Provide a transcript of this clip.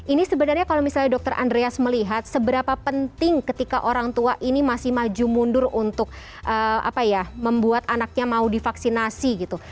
ini sebenarnya kalau misalnya dokter andreas melihat seberapa penting ketika orang tua ini masih maju mundur untuk membuat anaknya mau divaksinasi gitu